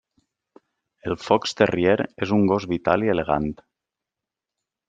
El Fox terrier és un gos vital i elegant.